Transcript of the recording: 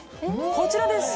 こちらです。